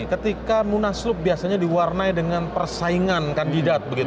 ketika munaslup biasanya diwarnai dengan persaingan kandidat